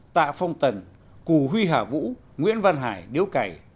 tạ phong tần cù huy hà vũ nguyễn văn hải điếu cày